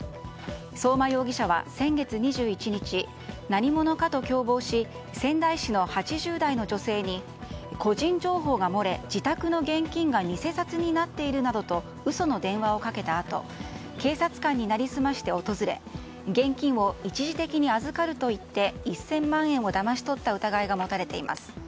相馬容疑者は先月２１日何者かと共謀し仙台市の８０代の女性に個人情報が漏れ自宅の現金が偽札になっているなどと嘘の電話をかけたあと警察官に成り済まして訪れ現金を一時的に預かると言って１０００万円をだまし取った疑いが持たれています。